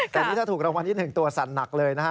แต่นี่ถ้าถูกรางวัลที่๑ตัวสั่นหนักเลยนะฮะ